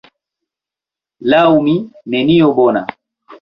Laŭ mi, nenio bona.